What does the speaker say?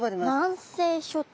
南西諸島。